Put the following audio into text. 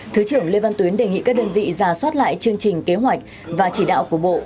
thứ trưởng lê văn tuyến đề nghị các đơn vị ra soát lại chương trình kế hoạch và chỉ đạo của bộ